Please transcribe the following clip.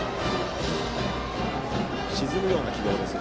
沈むような軌道でした。